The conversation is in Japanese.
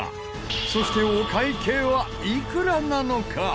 そしてお会計はいくらなのか？